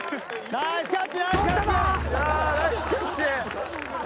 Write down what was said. ナイスキャッチ！